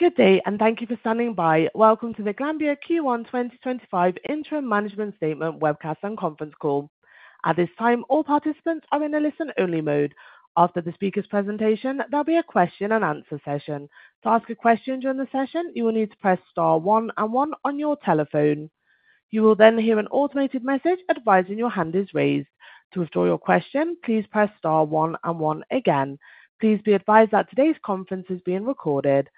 Good day, and thank you for standing by. Welcome to the Glanbia Q1 2025 Interim Management Statement Webcast and Conference Call. At this time, all participants are in a listen-only mode. After the speaker's presentation, there'll be a question-and-answer session. To ask a question during the session, you will need to press star one and one on your telephone. You will then hear an automated message advising your hand is raised. To withdraw your question, please press star one and one again. Please be advised that today's conference is being recorded.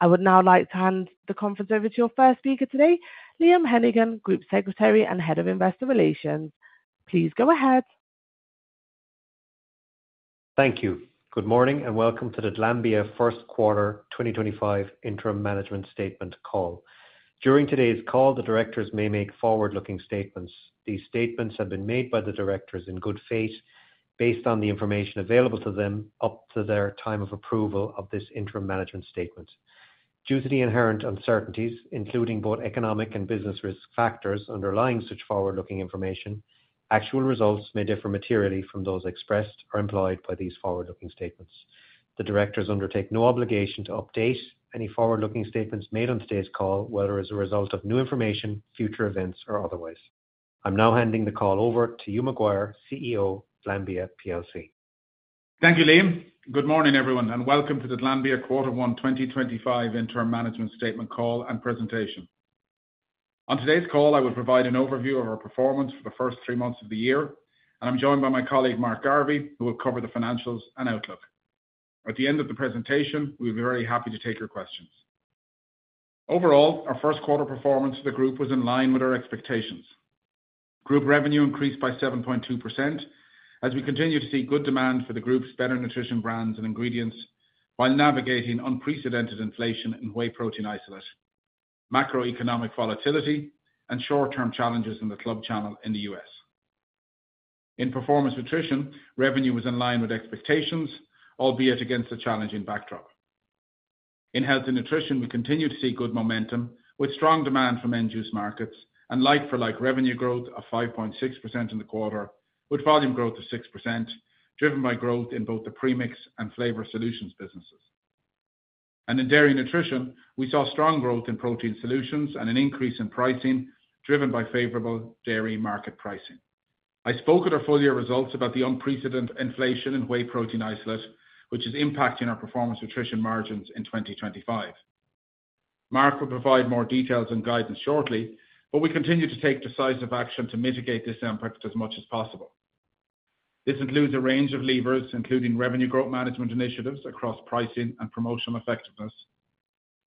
I would now like to hand the conference over to your first speaker today, Liam Hennigan, Group Secretary and Head of Investor Relations. Please go ahead. Thank you. Good morning and welcome to the Glanbia first quarter 2025 Interim Management Statement call. During today's call, the directors may make forward-looking statements. These statements have been made by the directors in good faith, based on the information available to them up to their time of approval of this interim management statement. Due to the inherent uncertainties, including both economic and business risk factors underlying such forward-looking information, actual results may differ materially from those expressed or implied by these forward-looking statements. The directors undertake no obligation to update any forward-looking statements made on today's call, whether as a result of new information, future events, or otherwise. I'm now handing the call over to Hugh McGuire, CEO of Glanbia. Thank you, Liam. Good morning, everyone, and welcome to the Glanbia quarter one 2025 Interim Management Statement call and presentation. On today's call, I will provide an overview of our performance for the first three months of the year, and I'm joined by my colleague, Mark Garvey, who will cover the financials and outlook. At the end of the presentation, we'll be very happy to take your questions. Overall, our first quarter performance for the group was in line with our expectations. Group revenue increased by 7.2% as we continue to see good demand for the group's better nutrition brands and ingredients while navigating unprecedented inflation in whey protein isolate, macroeconomic volatility, and short-term challenges in the club channel in the U.S. In performance nutrition, revenue was in line with expectations, albeit against a challenging backdrop. In Health & Nutrition, we continue to see good momentum with strong demand for end-use markets and like-for-like revenue growth of 5.6% in the quarter, with volume growth of 6%, driven by growth in both the premix and Flavor Solutions businesses. In Dairy Nutrition, we saw strong growth in Protein Solutions and an increase in pricing, driven by favorable dairy market pricing. I spoke at our full-year results about the unprecedented inflation in whey protein isolate, which is impacting our Performance Nutrition margins in 2025. Mark will provide more details and guidance shortly, but we continue to take decisive action to mitigate this impact as much as possible. This includes a range of levers, including revenue growth management initiatives across pricing and promotional effectiveness.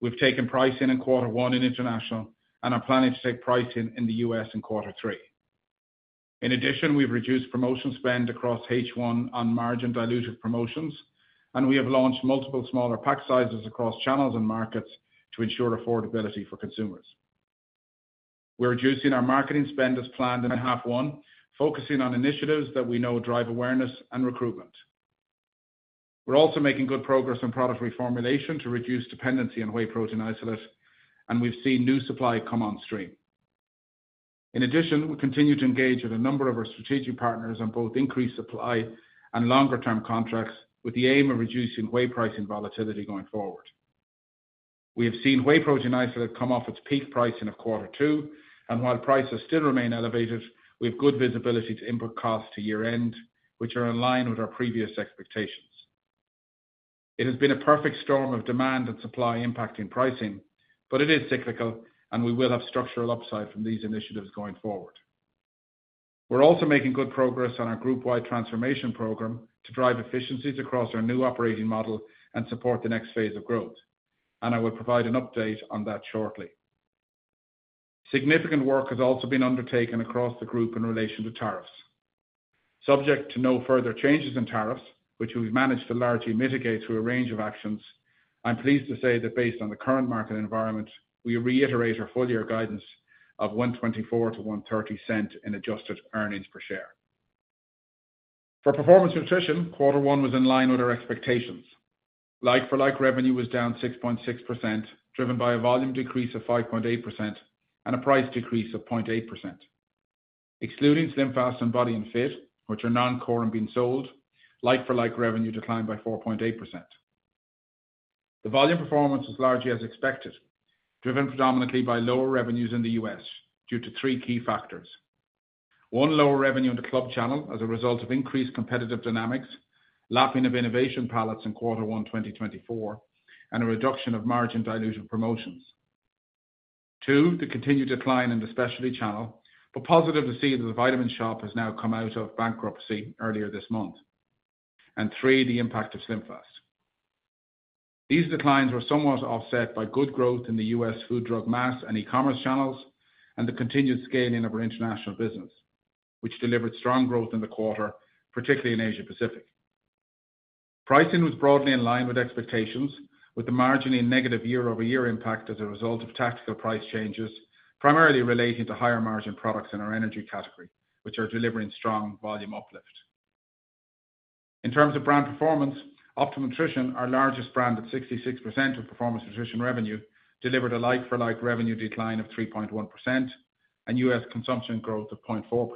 We have taken pricing in quarter one in international and are planning to take pricing in the U.S. in quarter three. In addition, we've reduced promotion spend across H1 on margin dilutive promotions, and we have launched multiple smaller pack sizes across channels and markets to ensure affordability for consumers. We're reducing our marketing spend as planned in H1, focusing on initiatives that we know drive awareness and recruitment. We're also making good progress on product reformulation to reduce dependency on whey protein isolate, and we've seen new supply come on stream. In addition, we continue to engage with a number of our strategic partners on both increased supply and longer-term contracts with the aim of reducing whey pricing volatility going forward. We have seen whey protein isolate come off its peak pricing of quarter two, and while prices still remain elevated, we have good visibility to input costs to year-end, which are in line with our previous expectations. It has been a perfect storm of demand and supply impacting pricing, but it is cyclical, and we will have structural upside from these initiatives going forward. We're also making good progress on our group-wide transformation program to drive efficiencies across our new operating model and support the next phase of growth, and I will provide an update on that shortly. Significant work has also been undertaken across the group in relation to tariffs. Subject to no further changes in tariffs, which we've managed to largely mitigate through a range of actions, I'm pleased to say that based on the current market environment, we reiterate our full-year guidance of $1.24-$1.30 in adjusted earnings per share. For Performance Nutrition, quarter one was in line with our expectations. Like-for-like revenue was down 6.6%, driven by a volume decrease of 5.8% and a price decrease of 0.8%. Excluding SlimFast and Body & Fit, which are non-core and being sold, like-for-like revenue declined by 4.8%. The volume performance was largely as expected, driven predominantly by lower revenues in the U.S. due to three key factors. One, lower revenue in the club channel as a result of increased competitive dynamics, lapping of innovation pallets in quarter one 2024, and a reduction of margin dilution promotions. Two, the continued decline in the specialty channel, positive to see that The Vitamin Shoppe has now come out of bankruptcy earlier this month. Three, the impact of SlimFast. These declines were somewhat offset by good growth in the U.S. food, drug, mass and e-commerce channels and the continued scaling of our international business, which delivered strong growth in the quarter, particularly in Asia-Pacific. Pricing was broadly in line with expectations, with the marginally negative year-over-year impact as a result of tactical price changes, primarily relating to higher margin products in our energy category, which are delivering strong volume uplift. In terms of brand performance, Optimum Nutrition, our largest brand at 66% of Performance Nutrition revenue, delivered a like-for-like revenue decline of 3.1% and U.S. consumption growth of 0.4%.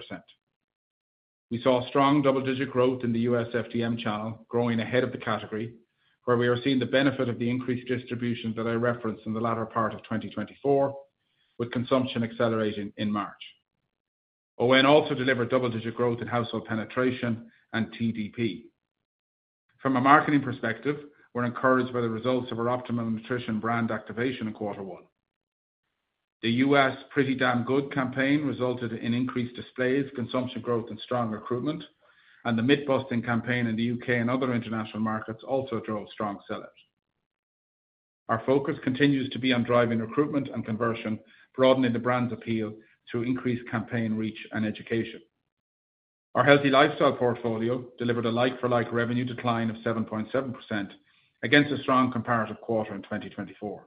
We saw strong double-digit growth in the U.S. FDM channel, growing ahead of the category, where we are seeing the benefit of the increased distribution that I referenced in the latter part of 2024, with consumption accelerating in March. Optimum Nutrition also delivered double-digit growth in household penetration and TDP. From a marketing perspective, we're encouraged by the results of our Optimum Nutrition brand activation in quarter one. The U.S. Pretty Damn Good campaign resulted in increased displays, consumption growth, and strong recruitment, and the Myth-busting campaign in the U.K. and other international markets also drove strong sellers. Our focus continues to be on driving recruitment and conversion, broadening the brand's appeal through increased campaign reach and education. Our Healthy Lifestyle portfolio delivered a like-for-like revenue decline of 7.7% against a strong comparative quarter in 2024.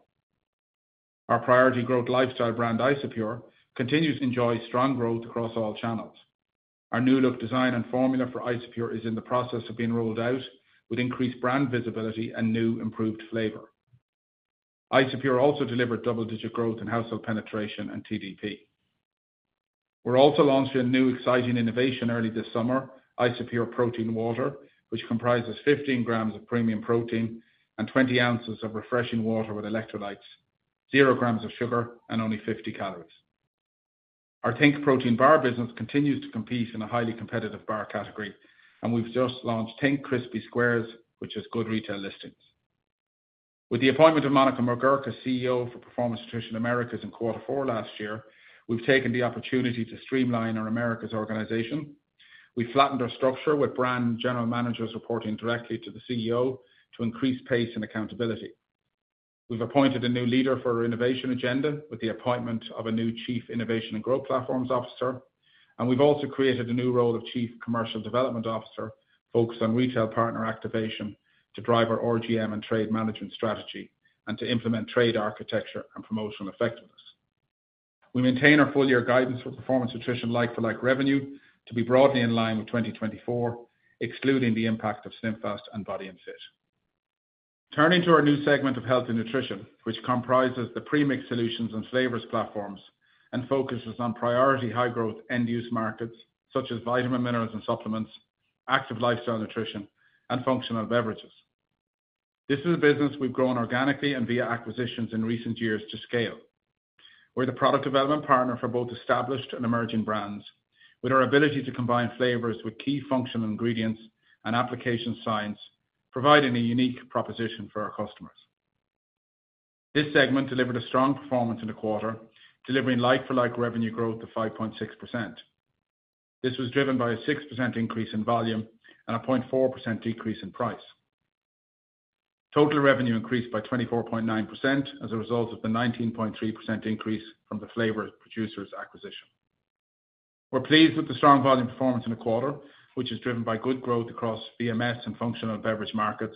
Our priority growth lifestyle brand, Isopure, continues to enjoy strong growth across all channels. Our new look, design, and formula for Isopure is in the process of being rolled out, with increased brand visibility and new improved flavor. Isopure also delivered double-digit growth in household penetration and TDP. We're also launching a new exciting innovation early this summer, Isopure Protein Water, which comprises 15 grams of premium protein and 20 ounces of refreshing water with electrolytes, 0 grams of sugar, and only 50 calories. Our Think Protein Bar business continues to compete in a highly competitive bar category, and we've just launched Think Crispy Squares, which has good retail listings. With the appointment of Monica McGuire, CEO for Performance Nutrition Americas in quarter four last year, we've taken the opportunity to streamline our Americas organization. We've flattened our structure with brand general managers reporting directly to the CEO to increase pace and accountability. We've appointed a new leader for our innovation agenda with the appointment of a new Chief Innovation and Growth Platforms Officer, and we've also created a new role of Chief Commercial Development Officer focused on retail partner activation to drive our RGM and trade management strategy and to implement trade architecture and promotional effectiveness. We maintain our full-year guidance for Performance Nutrition like-for-like revenue to be broadly in line with 2024, excluding the impact of SlimFast and Body & Fit. Turning to our new segment of Healthy Nutrition, which comprises the premix solutions and flavors platforms and focuses on priority high-growth end-use markets such as vitamin minerals and supplements, active lifestyle nutrition, and functional beverages. This is a business we've grown organically and via acquisitions in recent years to scale. We're the product development partner for both established and emerging brands, with our ability to combine flavors with key functional ingredients and application science, providing a unique proposition for our customers. This segment delivered a strong performance in the quarter, delivering like-for-like revenue growth of 5.6%. This was driven by a 6% increase in volume and a 0.4% decrease in price. Total revenue increased by 24.9% as a result of the 19.3% increase from the Flavor Producers acquisition. We're pleased with the strong volume performance in the quarter, which is driven by good growth across VMS and functional beverage markets,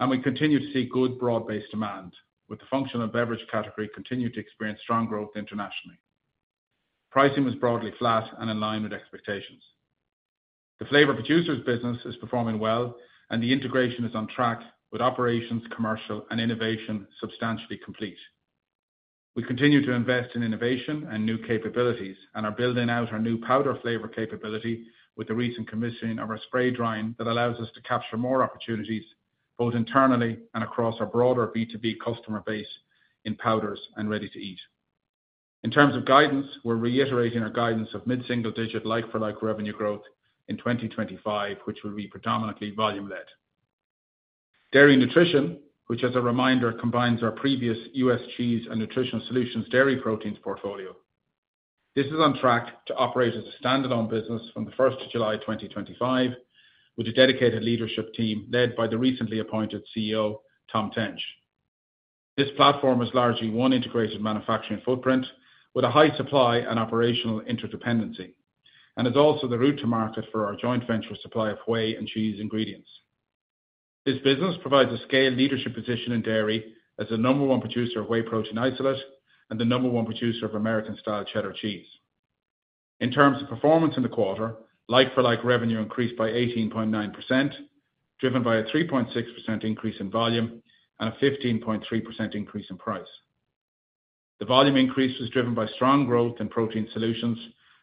and we continue to see good broad-based demand, with the functional beverage category continuing to experience strong growth internationally. Pricing was broadly flat and in line with expectations. The Flavor Producers business is performing well, and the integration is on track with operations, commercial, and innovation substantially complete. We continue to invest in innovation and new capabilities and are building out our new powder flavor capability with the recent commissioning of our spray drying that allows us to capture more opportunities both internally and across our broader B2B customer base in powders and ready-to-eat. In terms of guidance, we're reiterating our guidance of mid-single-digit like-for-like revenue growth in 2025, which will be predominantly volume-led. Dairy Nutrition, which as a reminder combines our previous U.S. cheese and Nutritional Solutions dairy proteins portfolio. This is on track to operate as a standalone business from the 1st of July 2025, with a dedicated leadership team led by the recently appointed CEO, Tom Tench. This platform is largely one integrated manufacturing footprint with a high supply and operational interdependency and is also the route to market for our joint venture supply of whey and cheese ingredients. This business provides a scaled leadership position in dairy as the number one producer of whey protein isolate and the number one producer of American-style cheddar cheese. In terms of performance in the quarter, like-for-like revenue increased by 18.9%, driven by a 3.6% increase in volume and a 15.3% increase in price. The volume increase was driven by strong growth in protein solutions,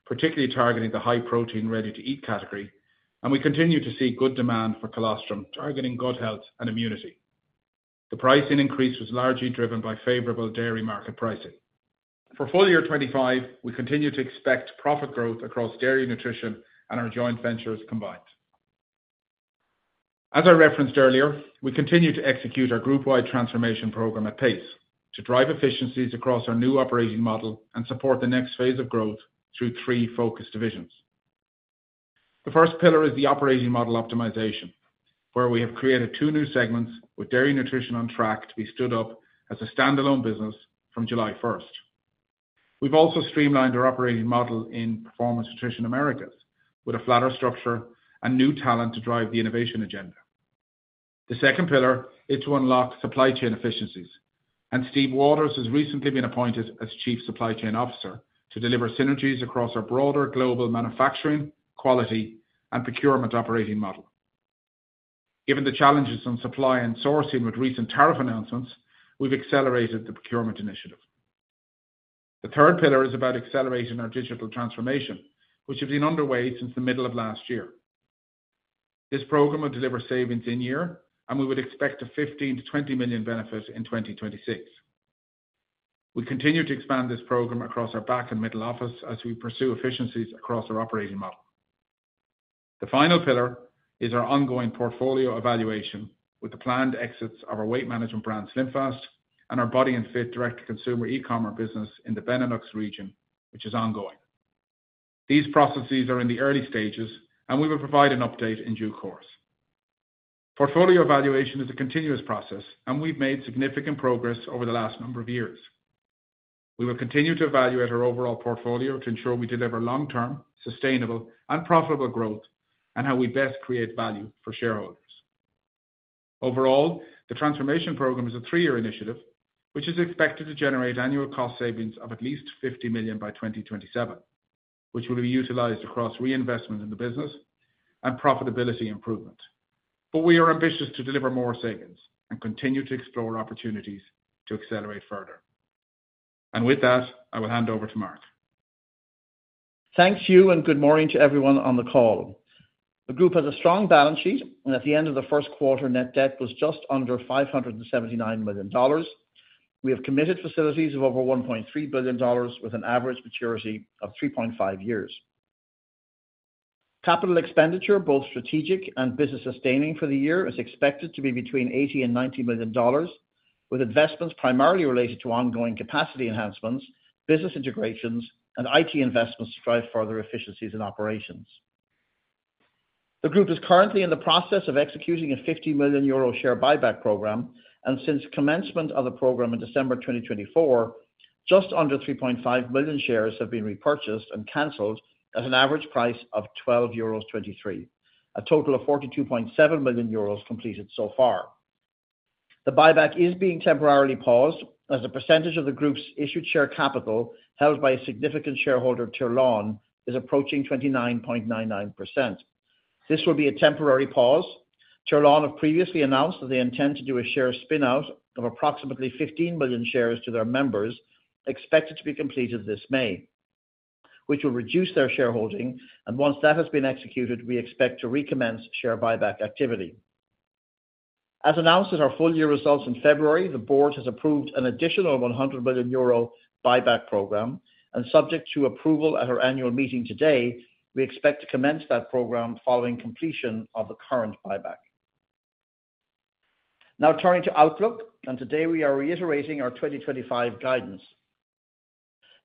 particularly targeting the high-protein ready-to-eat category, and we continue to see good demand for colostrum targeting gut health and immunity. The pricing increase was largely driven by favorable dairy market pricing. For full-year 2025, we continue to expect profit growth across dairy nutrition and our joint ventures combined. As I referenced earlier, we continue to execute our group-wide transformation program at pace to drive efficiencies across our new operating model and support the next phase of growth through three focus divisions. The first pillar is the operating model optimization, where we have created two new segments with Dairy Nutrition on track to be stood up as a standalone business from July 1. We have also streamlined our operating model in Performance Nutrition Americas with a flatter structure and new talent to drive the innovation agenda. The second pillar is to unlock supply chain efficiencies, and Steve Waters has recently been appointed as Chief Supply Chain Officer to deliver synergies across our broader global manufacturing, quality, and procurement operating model. Given the challenges on supply and sourcing with recent tariff announcements, we have accelerated the procurement initiative. The third pillar is about accelerating our digital transformation, which has been underway since the middle of last year. This program will deliver savings in year, and we would expect a $15 million-$20 million benefit in 2026. We continue to expand this program across our back and middle office as we pursue efficiencies across our operating model. The final pillar is our ongoing portfolio evaluation with the planned exits of our weight management brand SlimFast and our Body & Fit direct-to-consumer e-commerce business in the Benelux region, which is ongoing. These processes are in the early stages, and we will provide an update in due course. Portfolio evaluation is a continuous process, and we've made significant progress over the last number of years. We will continue to evaluate our overall portfolio to ensure we deliver long-term, sustainable, and profitable growth and how we best create value for shareholders. Overall, the transformation program is a three-year initiative, which is expected to generate annual cost savings of at least 50 million by 2027, which will be utilized across reinvestment in the business and profitability improvement. We are ambitious to deliver more savings and continue to explore opportunities to accelerate further. With that, I will hand over to Mark. Thank you, and good morning to everyone on the call. The group has a strong balance sheet, and at the end of the first quarter, net debt was just under $579 million. We have committed facilities of over $1.3 billion with an average maturity of 3.5 years. Capital expenditure, both strategic and business-sustaining for the year, is expected to be between $80 million and $90 million, with investments primarily related to ongoing capacity enhancements, business integrations, and IT investments to drive further efficiencies in operations. The group is currently in the process of executing a 50 million euro share buyback program, and since commencement of the program in December 2024, just under 3.5 million shares have been repurchased and canceled at an average price of euros 12.23, a total of 42.7 million euros completed so far. The buyback is being temporarily paused as the percentage of the group's issued share capital held by a significant shareholder, Tirlán, is approaching 29.99%. This will be a temporary pause. Tirlán have previously announced that they intend to do a share spinout of approximately 15 million shares to their members, expected to be completed this May, which will reduce their shareholding. Once that has been executed, we expect to recommence share buyback activity. As announced at our full-year results in February, the board has approved an additional 100 million euro buyback program, and subject to approval at our annual meeting today, we expect to commence that program following completion of the current buyback. Now turning to outlook, and today we are reiterating our 2025 guidance.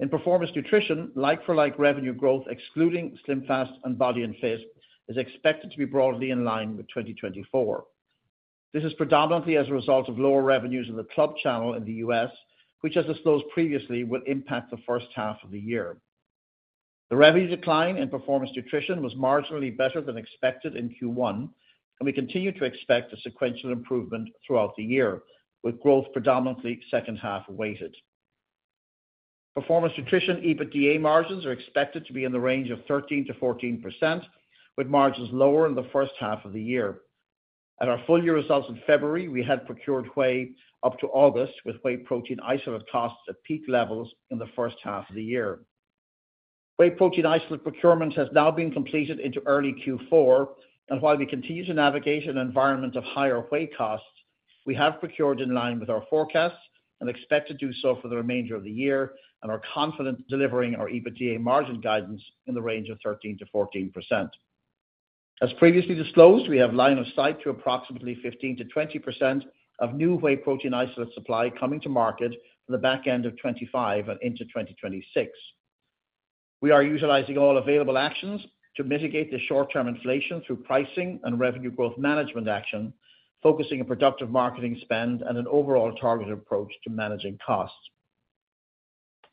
In Performance Nutrition, like-for-like revenue growth excluding SlimFast and Body & Fit is expected to be broadly in line with 2024. This is predominantly as a result of lower revenues in the club channel in the U.S., which, as disclosed previously, will impact the first half of the year. The revenue decline in Performance Nutrition was marginally better than expected in Q1, and we continue to expect a sequential improvement throughout the year, with growth predominantly second half weighted. Performance Nutrition EBITDA margins are expected to be in the range of 13-14%, with margins lower in the first half of the year. At our full-year results in February, we had procured whey up to August, with whey protein isolate costs at peak levels in the first half of the year. Whey protein isolate procurement has now been completed into early Q4, and while we continue to navigate an environment of higher whey costs, we have procured in line with our forecasts and expect to do so for the remainder of the year and are confident delivering our EBITDA margin guidance in the range of 13-14%. As previously disclosed, we have line of sight to approximately 15%-20% of new whey protein isolate supply coming to market for the back end of 2025 and into 2026. We are utilizing all available actions to mitigate the short-term inflation through pricing and revenue growth management action, focusing on productive marketing spend and an overall targeted approach to managing costs.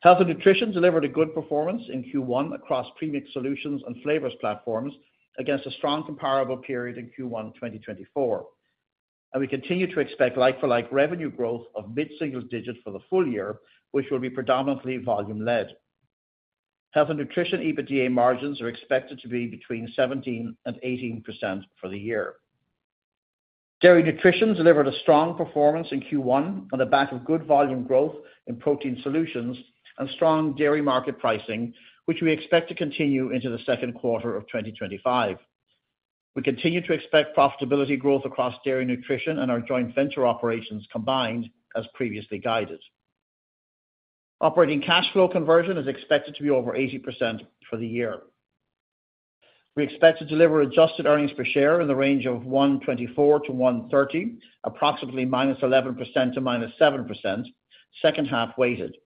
Healthy Nutrition delivered a good performance in Q1 across premix solutions and flavors platforms against a strong comparable period in Q1 2024, and we continue to expect like-for-like revenue growth of mid-single digit for the full year, which will be predominantly volume-led. Healthy Nutrition EBITDA margins are expected to be between 17%-18% for the year. Dairy Nutrition delivered a strong performance in Q1 on the back of good volume growth in protein solutions and strong dairy market pricing, which we expect to continue into the second quarter of 2025. We continue to expect profitability growth across Dairy Nutrition and our joint venture operations combined as previously guided. Operating cash flow conversion is expected to be over 80% for the year. We expect to deliver adjusted earnings per share in the range of €1.24-€1.30, approximately -11% to -7%, second half weighted,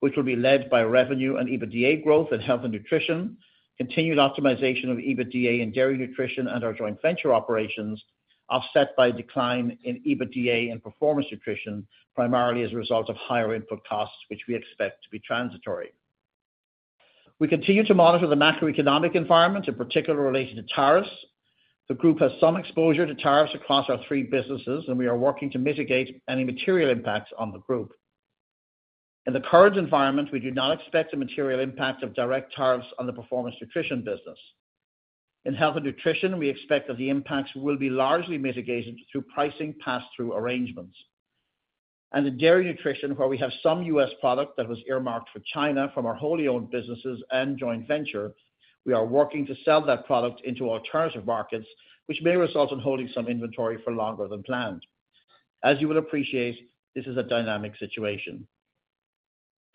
which will be led by revenue and EBITDA growth in Healthy Nutrition, continued optimization of EBITDA in Dairy Nutrition and our joint venture operations, offset by a decline in EBITDA in Performance Nutrition, primarily as a result of higher input costs, which we expect to be transitory. We continue to monitor the macroeconomic environment, in particular related to tariffs. The group has some exposure to tariffs across our three businesses, and we are working to mitigate any material impacts on the group. In the current environment, we do not expect a material impact of direct tariffs on the Performance Nutrition business. In Healthy Nutrition, we expect that the impacts will be largely mitigated through pricing pass-through arrangements. In Dairy Nutrition, where we have some U.S. product that was earmarked for China from our wholly owned businesses and joint venture, we are working to sell that product into alternative markets, which may result in holding some inventory for longer than planned. As you will appreciate, this is a dynamic situation.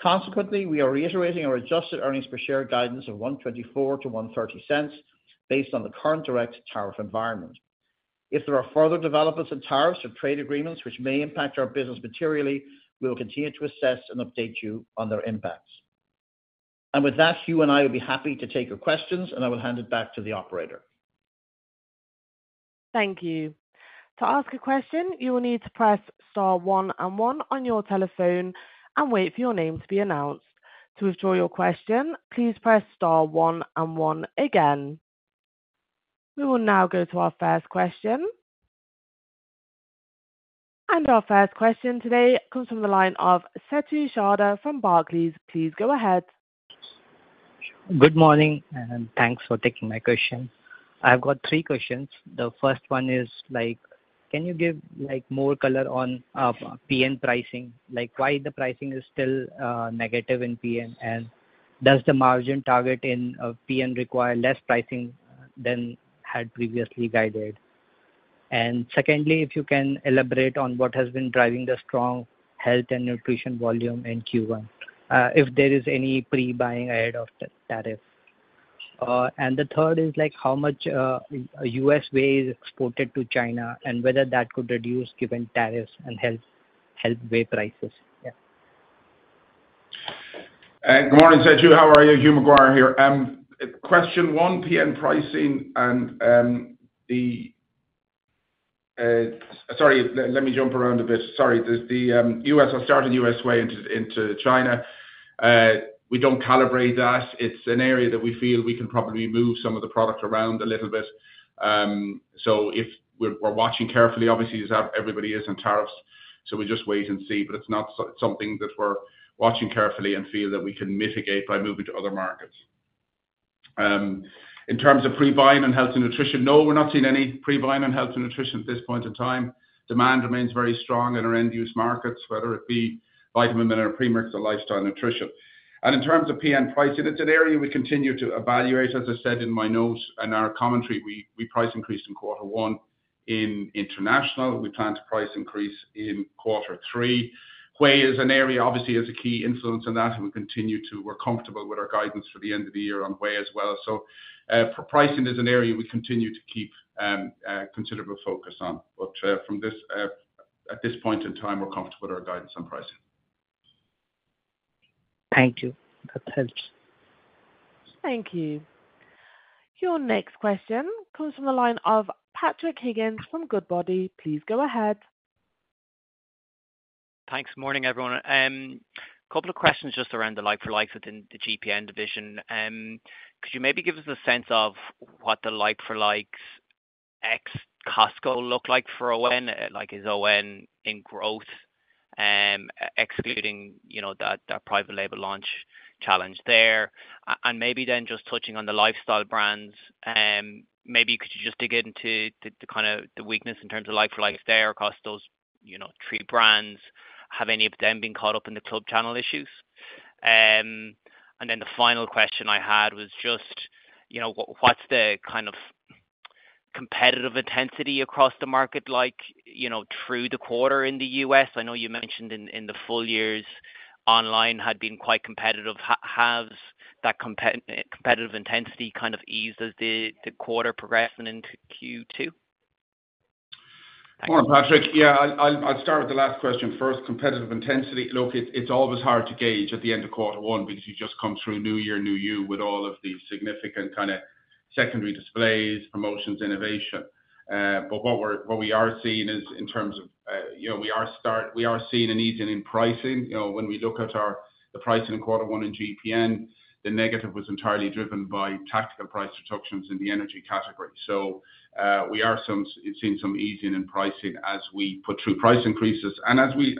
Consequently, we are reiterating our adjusted earnings per share guidance of $1.24-$1.30 based on the current direct tariff environment. If there are further developments in tariffs or trade agreements which may impact our business materially, we will continue to assess and update you on their impacts. With that, Hugh and I will be happy to take your questions, and I will hand it back to the operator. Thank you. To ask a question, you will need to press star one and one on your telephone and wait for your name to be announced. To withdraw your question, please press star one and one again. We will now go to our first question. Our first question today comes from the line of Setu Sharda from Barclays. Please go ahead. Good morning, and thanks for taking my question. I've got three questions. The first one is, can you give more color on PN pricing? Why is the pricing still negative in PN, and does the margin target in PN require less pricing than had previously guided? Secondly, if you can elaborate on what has been driving the strong Health & Nutrition volume in Q1, if there is any pre-buying ahead of tariff. The third is how much U.S. whey is exported to China and whether that could reduce given tariffs and health whey prices. Good morning, Setu. How are you? Hugh McGuire here. Question one, PN pricing and the—sorry, let me jump around a bit. Sorry. The U.S.—I started U.S. whey into China. We do not calibrate that. It is an area that we feel we can probably move some of the product around a little bit. We are watching carefully, obviously, as everybody is on tariffs, so we just wait and see. It is not something that we are watching carefully and feel that we can mitigate by moving to other markets. In terms of pre-buying and healthy nutrition, no, we are not seeing any pre-buying in healthy nutrition at this point in time. Demand remains very strong in our end-use markets, whether it be vitamin mineral pre-mix or lifestyle nutrition. In terms of PN pricing, it's an area we continue to evaluate. As I said in my notes and our commentary, we price increased in quarter one in international. We plan to price increase in quarter three. Whey is an area, obviously, it has a key influence on that, and we continue to—we're comfortable with our guidance for the end of the year on whey as well. Pricing is an area we continue to keep considerable focus on. From this, at this point in time, we're comfortable with our guidance on pricing. Thank you. That helps. Thank you. Your next question comes from the line of Patrick Higgins from Goodbody. Please go ahead. Thanks. Morning, everyone. A couple of questions just around the like-for-likes within the GPN division. Could you maybe give us a sense of what the like-for-likes ex-Costco look like for Owen? Is Owen in growth, excluding that private label launch challenge there? Maybe just touching on the lifestyle brands, could you just dig into the kind of weakness in terms of like-for-likes there across those three brands? Have any of them been caught up in the club channel issues? The final question I had was just, what's the kind of competitive intensity across the market through the quarter in the U.S.? I know you mentioned in the full years, online had been quite competitive. Has that competitive intensity kind of eased as the quarter progressed into Q2? Morning, Patrick. Yeah, I'll start with the last question first. Competitive intensity—look, it's always hard to gauge at the end of quarter one because you just come through new year, new you with all of these significant kind of secondary displays, promotions, innovation. What we are seeing is, in terms of—we are seeing an easing in pricing. When we look at the pricing in quarter one in GPN, the negative was entirely driven by tactical price reductions in the energy category. We are seeing some easing in pricing as we put through price increases. As we,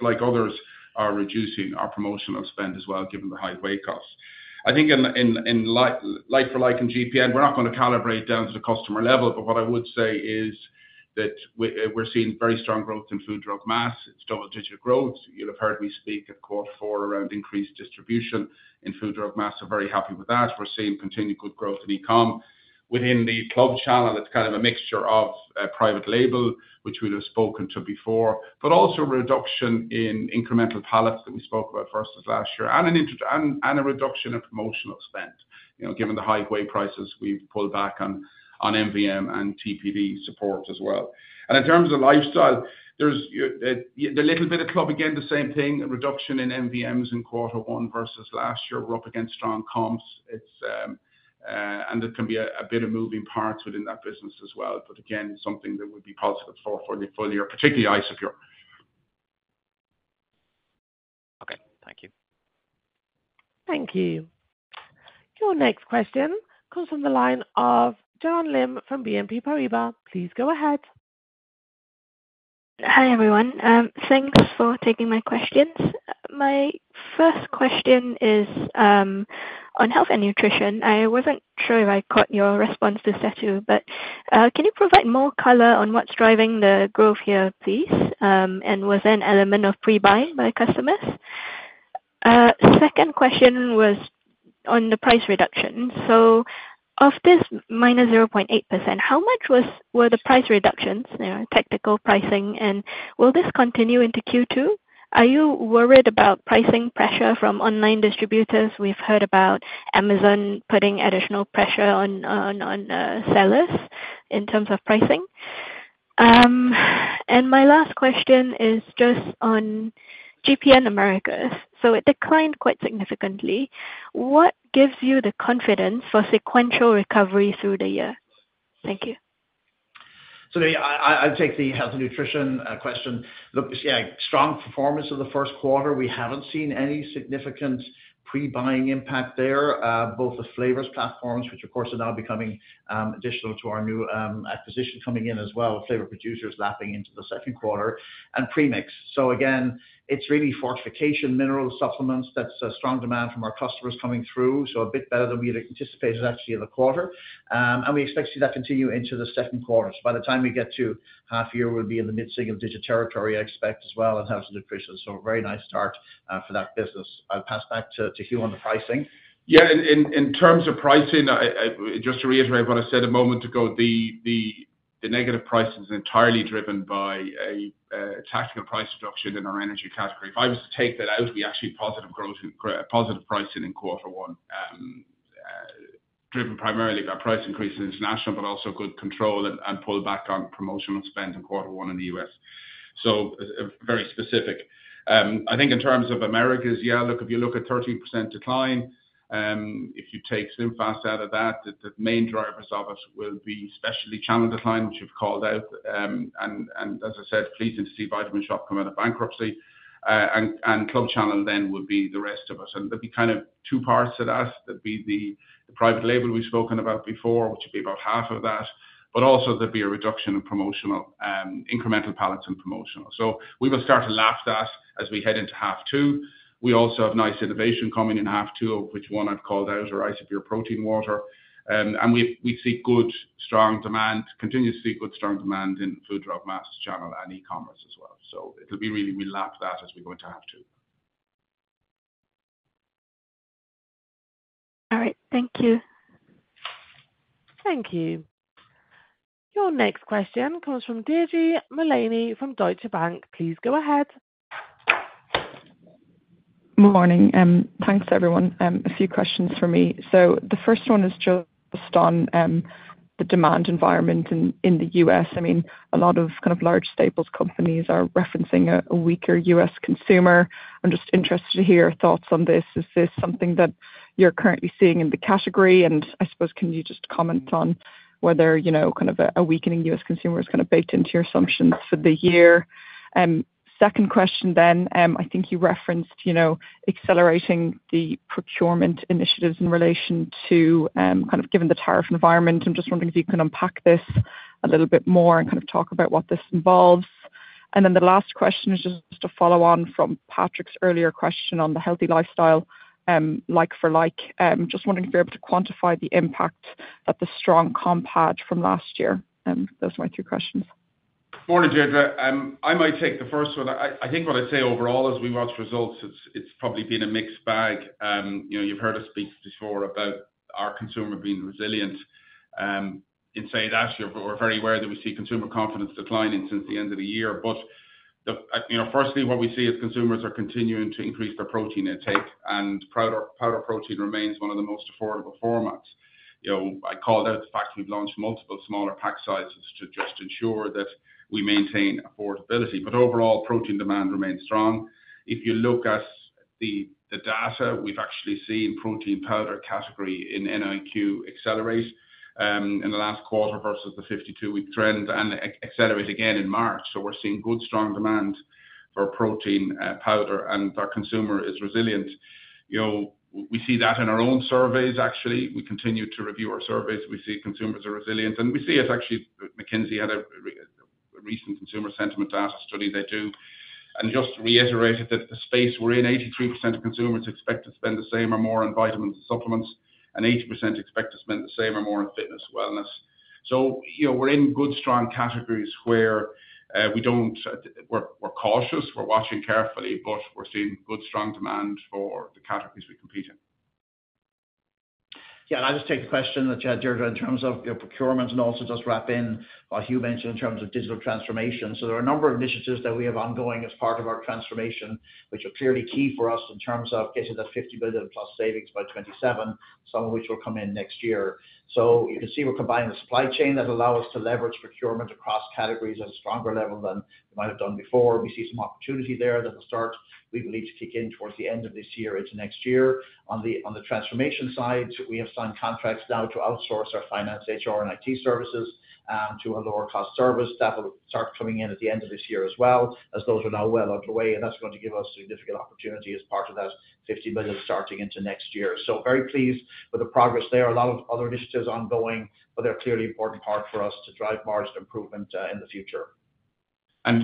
like others, are reducing our promotional spend as well, given the high whey costs. I think in like-for-like in GPN, we're not going to calibrate down to the customer level. What I would say is that we're seeing very strong growth in food drug mass. It's double-digit growth. You'll have heard me speak at quarter four around increased distribution in food drug mass. We're very happy with that. We're seeing continued good growth in e-comm. Within the club channel, it's kind of a mixture of private label, which we've spoken to before, but also reduction in incremental pallets that we spoke about first last year and a reduction in promotional spend, given the high whey prices we've pulled back on MVM and TDP support as well. In terms of lifestyle, there's the little bit of club, again, the same thing, a reduction in MVMs in quarter one versus last year. We're up against strong comps, and there can be a bit of moving parts within that business as well. Again, something that would be positive for the full year, particularly Isopure. Okay. Thank you. Thank you. Your next question comes from the line of Joanne Lim from BNP Paribas Exane. Please go ahead. Hi everyone. Thanks for taking my questions. My first question is on Health & Nutrition. I wasn't sure if I caught your response to Setu, but can you provide more color on what's driving the growth here, please, and was there an element of pre-buying by customers? Second question was on the price reduction. Of this minus 0.8%, how much were the price reductions, technical pricing, and will this continue into Q2? Are you worried about pricing pressure from online distributors? We've heard about Amazon putting additional pressure on sellers in terms of pricing. My last question is just on GPN Americas. It declined quite significantly. What gives you the confidence for sequential recovery through the year? Thank you. I'll take the Health & Nutrition question. Look, yeah, strong performance in the first quarter. We haven't seen any significant pre-buying impact there, both the flavors platforms, which of course are now becoming additional to our new acquisition coming in as well, Flavor Producers lapping into the second quarter, and premix. It is really fortification, mineral supplements. That's a strong demand from our customers coming through, so a bit better than we had anticipated actually in the quarter. We expect to see that continue into the second quarter. By the time we get to half year, we'll be in the mid-single digit territory, I expect as well, and Healthy Nutrition. A very nice start for that business. I'll pass back to Hugh on the pricing. Yeah. In terms of pricing, just to reiterate what I said a moment ago, the negative pricing is entirely driven by a tactical price reduction in our energy category. If I was to take that out, we actually had positive pricing in quarter one, driven primarily by price increase in international, but also good control and pullback on promotional spend in quarter one in the U.S.. Very specific. I think in terms of Americas, yeah, look, if you look at 13% decline, if you take SlimFast out of that, the main drivers of it will be especially channel decline, which you've called out. As I said, pleasing to see The Vitamin Shoppe come out of bankruptcy. Club channel then would be the rest of us. There will be kind of two parts of that. There will be the private label we've spoken about before, which would be about half of that. Also, there will be a reduction in promotional, incremental pallets and promotional. We will start to lap that as we head into H2. We also have nice innovation coming in H2, of which one I've called out, our Isopure Protein Water. We see good, strong demand, continuously good, strong demand in food, drug, mass channel and e-commerce as well. It will be really, we'll lap that as we go into H2. All right. Thank you. Thank you. Your next question comes from Deirdre Mullaney from Deutsche Bank. Please go ahead. Morning. Thanks, everyone. A few questions for me. The first one is just on the demand environment in the U.S.. I mean, a lot of kind of large staples companies are referencing a weaker U.S. consumer. I'm just interested to hear your thoughts on this. Is this something that you're currently seeing in the category? I suppose, can you just comment on whether kind of a weakening U.S. consumer has kind of baked into your assumptions for the year? Second question then, I think you referenced accelerating the procurement initiatives in relation to kind of given the tariff environment. I'm just wondering if you can unpack this a little bit more and kind of talk about what this involves. The last question is just to follow on from Patrick's earlier question on the healthy lifestyle like-for-like. Just wondering if you're able to quantify the impact that the strong comp had from last year. Those are my three questions. Morning, Deirdre. I might take the first one. I think what I'd say overall as we watch results, it's probably been a mixed bag. You've heard us speak before about our consumer being resilient in saying that. We're very aware that we see consumer confidence declining since the end of the year. Firstly, what we see is consumers are continuing to increase their protein intake. Powder protein remains one of the most affordable formats. I called out the fact we've launched multiple smaller pack sizes to just ensure that we maintain affordability. Overall, protein demand remains strong. If you look at the data, we've actually seen protein powder category in NIQ accelerate in the last quarter versus the 52-week trend and accelerate again in March. We are seeing good, strong demand for protein powder, and our consumer is resilient. We see that in our own surveys, actually. We continue to review our surveys. We see consumers are resilient. We see it actually McKinsey had a recent consumer sentiment data study they do. Just to reiterate it, the space we're in, 83% of consumers expect to spend the same or more on vitamins and supplements, and 80% expect to spend the same or more on fitness and wellness. We're in good, strong categories where we're cautious. We're watching carefully, but we're seeing good, strong demand for the categories we compete in. Yeah. I'll just take the question that you had, Deirdre, in terms of procurement and also just wrap in what Hugh mentioned in terms of digital transformation. There are a number of initiatives that we have ongoing as part of our transformation, which are clearly key for us in terms of getting that $50 billion plus savings by 2027, some of which will come in next year. You can see we're combining the supply chain that allows us to leverage procurement across categories at a stronger level than we might have done before. We see some opportunity there that will start, we believe, to kick in towards the end of this year into next year. On the transformation side, we have signed contracts now to outsource our finance, HR, and IT services to a lower-cost service. That will start coming in at the end of this year as well, as those are now well underway. That is going to give us significant opportunity as part of that $50 billion starting into next year. Very pleased with the progress there. A lot of other initiatives ongoing, but they're a clearly important part for us to drive margin improvement in the future.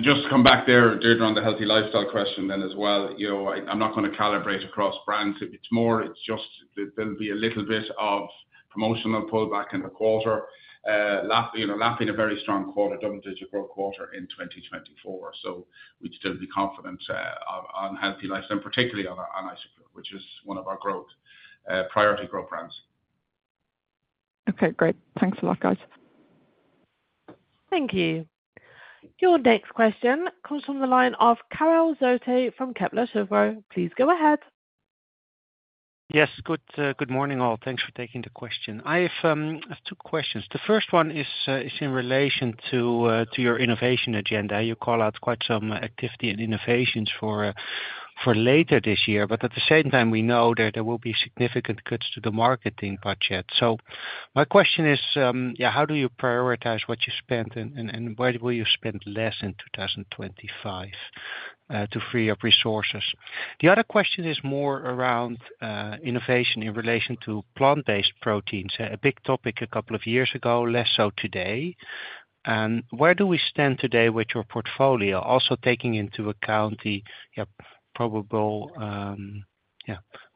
Just to come back there, Deirdre, on the healthy lifestyle question then as well, I'm not going to calibrate across brands. It's more it's just there'll be a little bit of promotional pullback in the quarter, lapping a very strong quarter, double-digit growth quarter in 2024. We'd still be confident on healthy lifestyle, particularly on Isopure, which is one of our priority growth brands. Okay. Great. Thanks a lot, guys. Thank you. Your next question comes from the line of Karel Zoete from Kepler Cheuvreux. Please go ahead. Yes. Good morning, all. Thanks for taking the question. I have two questions. The first one is in relation to your innovation agenda. You call out quite some activity and innovations for later this year. At the same time, we know there will be significant cuts to the marketing budget. My question is, yeah, how do you prioritize what you spend, and where will you spend less in 2025 to free up resources? The other question is more around innovation in relation to plant-based proteins, a big topic a couple of years ago, less so today. Where do we stand today with your portfolio, also taking into account the probable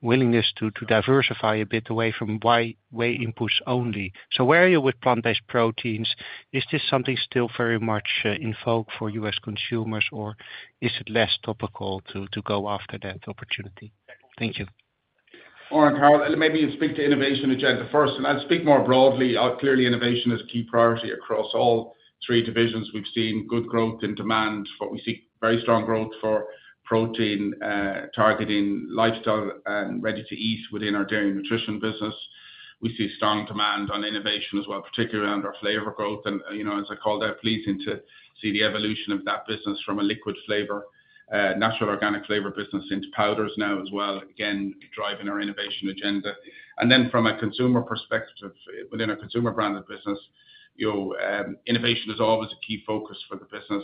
willingness to diversify a bit away from whey inputs only? Where are you with plant-based proteins? Is this something still very much in vogue for U.S. consumers, or is it less topical to go after that opportunity? Thank you. Morning, Carl. Maybe you speak to innovation agenda first. I would speak more broadly. Clearly, innovation is a key priority across all three divisions. We have seen good growth in demand. We see very strong growth for protein targeting lifestyle and ready-to-eat within our Dairy Nutrition business. We see strong demand on innovation as well, particularly around our flavor growth. As I called out, it is pleasing to see the evolution of that business from a liquid flavor, natural organic flavor business into powders now as well, again, driving our innovation agenda. From a consumer perspective within a consumer branded business, innovation is always a key focus for the business.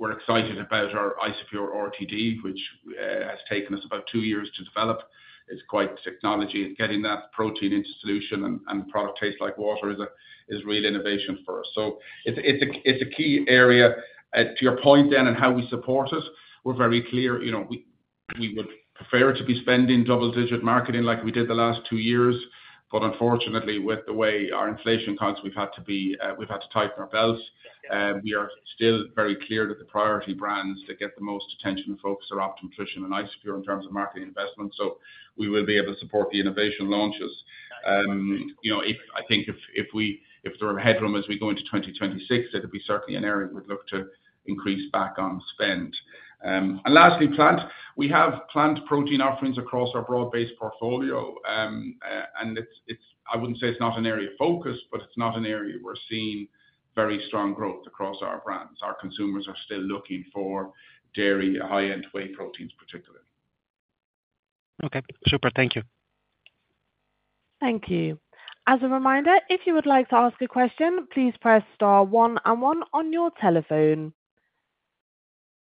We're excited about our Isopure RTD, which has taken us about two years to develop. It's quite technology. Getting that protein into solution and product taste like water is a real innovation for us. It is a key area. To your point then and how we support it, we're very clear. We would prefer to be spending double-digit marketing like we did the last two years. Unfortunately, with the way our inflation cuts, we've had to tighten our belts. We are still very clear that the priority brands that get the most attention and focus are Optimum Nutrition and Isopure in terms of marketing investment. We will be able to support the innovation launches. I think if there were a headroom as we go into 2026, it would be certainly an area we'd look to increase back on spend. Lastly, plant. We have plant protein offerings across our broad-based portfolio. I wouldn't say it's not an area of focus, but it's not an area we're seeing very strong growth across our brands. Our consumers are still looking for dairy high-end whey proteins, particularly. Okay. Super. Thank you. Thank you. As a reminder, if you would like to ask a question, please press star one and one on your telephone.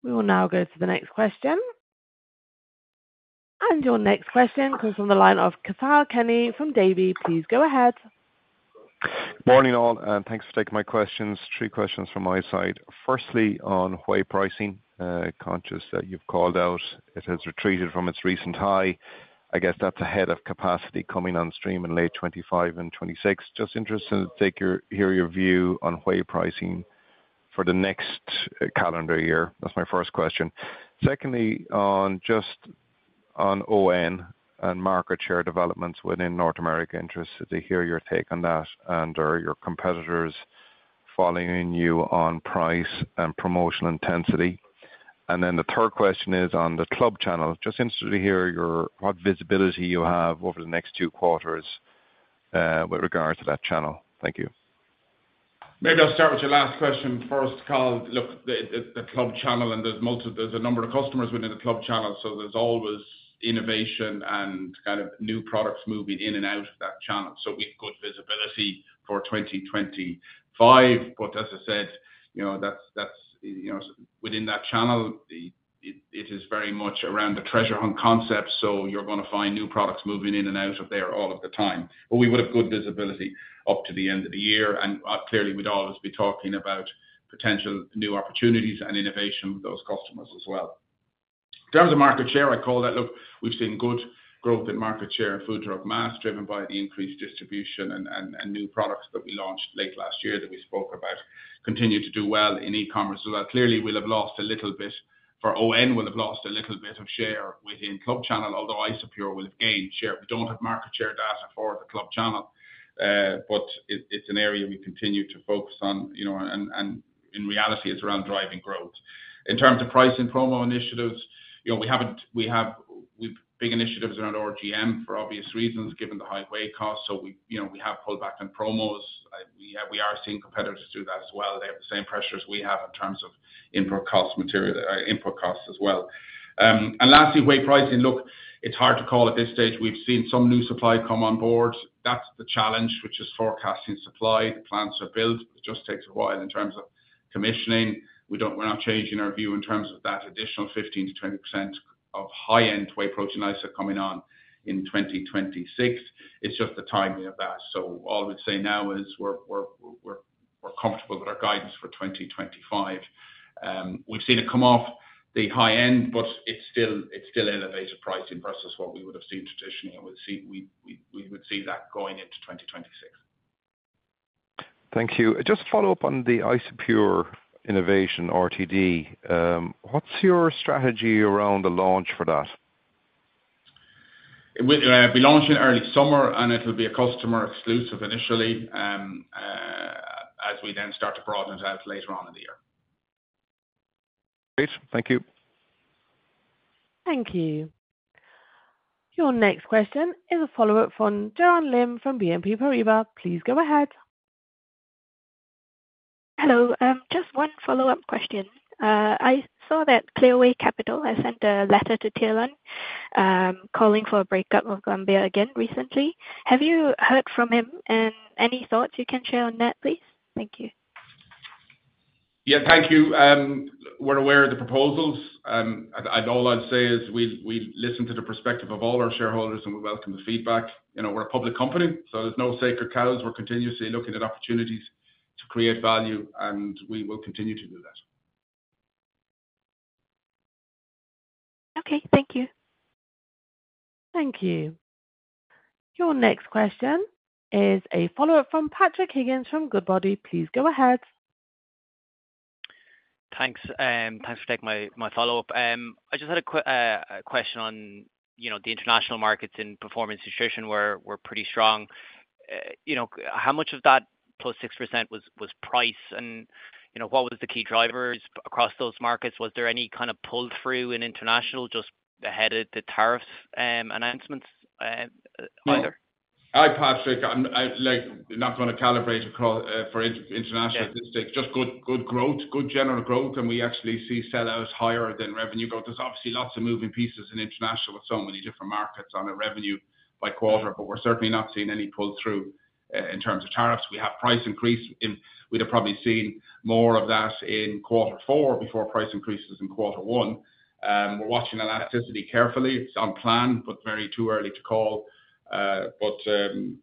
We will now go to the next question. Your next question comes from the line of Cathal Kenny from Davy. Please go ahead. Morning, all. Thanks for taking my questions. Three questions from my side. Firstly, on whey pricing, conscious that you've called out, it has retreated from its recent high. I guess that's ahead of capacity coming on stream in late 2025 and 2026. Just interested to hear your view on whey pricing for the next calendar year. That's my first question. Secondly, just on ON and market share developments within North America, interested to hear your take on that and/or your competitors following you on price and promotion intensity. The third question is on the club channel. Just interested to hear what visibility you have over the next two quarters with regard to that channel. Thank you. Maybe I'll start with your last question first, Carl. Look, the club channel, and there's a number of customers within the club channel. There's always innovation and kind of new products moving in and out of that channel. We've got visibility for 2025. As I said, within that channel, it is very much around the treasure hunt concept. You are going to find new products moving in and out of there all of the time. We would have good visibility up to the end of the year. Clearly, we would always be talking about potential new opportunities and innovation with those customers as well. In terms of market share, I call that, look, we have seen good growth in market share in food, drug, mass driven by the increased distribution and new products that we launched late last year that we spoke about continue to do well in e-commerce. Clearly, we will have lost a little bit for ON, we will have lost a little bit of share within club channel, although Isopure will have gained share. We don't have market share data for the club channel, but it's an area we continue to focus on. In reality, it's around driving growth. In terms of pricing promo initiatives, we have big initiatives around RGM for obvious reasons given the high whey cost. We have pulled back on promos. We are seeing competitors do that as well. They have the same pressures we have in terms of input costs as well. Lastly, whey pricing, look, it's hard to call at this stage. We've seen some new supply come on board. That's the challenge, which is forecasting supply. The plants are built. It just takes a while in terms of commissioning. We're not changing our view in terms of that additional 15-20% of high-end whey protein isolate coming on in 2026. It's just the timing of that. All we'd say now is we're comfortable with our guidance for 2025. We've seen it come off the high end, but it's still elevated pricing versus what we would have seen traditionally. We would see that going into 2026. Thank you. Just to follow up on the Isopure Innovation RTD, what's your strategy around the launch for that? We launch in early summer, and it'll be a customer exclusive initially as we then start to broaden it out later on in the year. Great. Thank you. Thank you. Your next question is a follow-up from Joanne Lim from BNP Paribas Exane. Please go ahead. Hello. Just one follow-up question. I saw that Clearway Capital has sent a letter to Tirlán calling for a breakup of Glanbia again recently. Have you heard from them? Any thoughts you can share on that, please? Thank you. Yeah. Thank you. We're aware of the proposals. All I'd say is we listen to the perspective of all our shareholders, and we welcome the feedback. We're a public company, so there's no sacred cows. We're continuously looking at opportunities to create value, and we will continue to do that. Okay. Thank you. Thank you. Your next question is a follow-up from Patrick Higgins from Goodbody. Please go ahead. Thanks. Thanks for taking my follow-up. I just had a question on the international markets and performance distribution. We're pretty strong. How much of that plus 6% was price? And what was the key drivers across those markets? Was there any kind of pull-through in international just ahead of the tariffs announcements either? Hi, Patrick. I'm not going to calibrate for international distinct. Just good growth, good general growth, and we actually see sell-outs higher than revenue growth. There's obviously lots of moving pieces in international with so many different markets on a revenue by quarter, but we're certainly not seeing any pull-through in terms of tariffs. We have price increase. We'd have probably seen more of that in quarter four before price increases in quarter one. We're watching elasticity carefully. It's on plan, but very too early to call.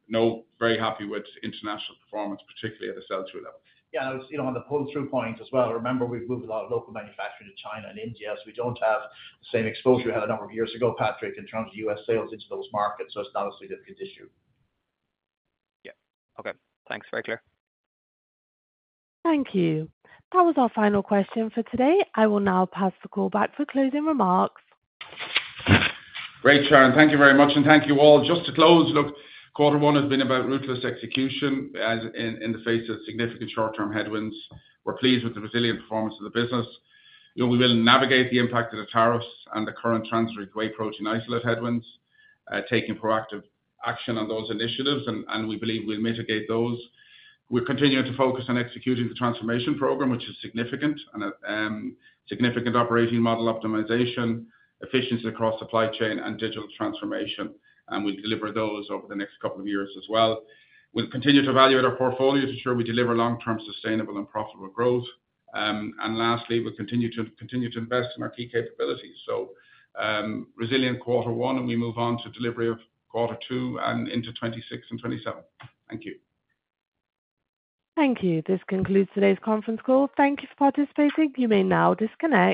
No, very happy with international performance, particularly at the sell-through level. Yeah. On the pull-through point as well, remember we've moved a lot of local manufacturing to China and India. We don't have the same exposure we had a number of years ago, Patrick, in terms of U.S. sales into those markets. It's not a significant issue. Yeah. Okay. Thanks. Very clear. Thank you. That was our final question for today. I will now pass the call back for closing remarks. Great, Sharon. Thank you very much. Thank you all. Just to close, look, quarter one has been about ruthless execution in the face of significant short-term headwinds. We are pleased with the resilient performance of the business. We will navigate the impact of the tariffs and the current transitory whey protein isolate headwinds, taking proactive action on those initiatives, and we believe we will mitigate those. We are continuing to focus on executing the transformation program, which is significant, and significant operating model optimization, efficiency across supply chain, and digital transformation. We will deliver those over the next couple of years as well. We will continue to evaluate our portfolio to ensure we deliver long-term sustainable and profitable growth. Lastly, we will continue to invest in our key capabilities. Resilient quarter one, and we move on to delivery of quarter two and into 2026 and 2027. Thank you. Thank you. This concludes today's conference call. Thank you for participating. You may now disconnect.